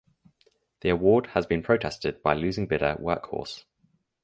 The award has been protested by losing bidder Workhorse.